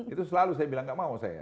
itu selalu saya bilang gak mau saya